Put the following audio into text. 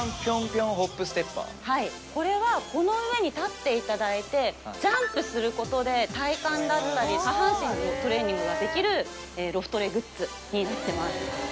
はいこれはこの上に立っていただいてジャンプすることで体幹だったり下半身のトレーニングができるロフトレグッズになってます。